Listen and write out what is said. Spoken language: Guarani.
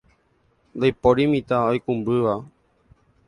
ndaipóri mitã oikũmbýva